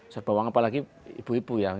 serba uang apalagi ibu ibu ya